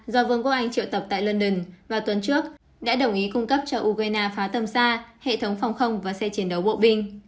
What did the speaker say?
do vương quốc anh triệu tập tại london vào tuần trước đã đồng ý cung cấp cho ukraine phá tầm xa hệ thống phòng không và xe chiến đấu bộ binh